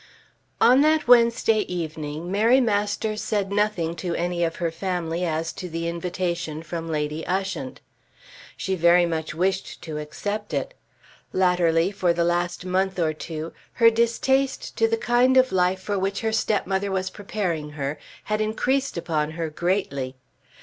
On that Wednesday evening Mary Masters said nothing to any of her family as to the invitation from Lady Ushant. She very much wished to accept it. Latterly, for the last month or two, her distaste to the kind of life for which her stepmother was preparing her, had increased upon her greatly.